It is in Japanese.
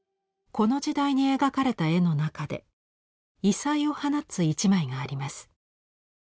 この時代に描かれた絵の中で異彩を放つ一枚があります。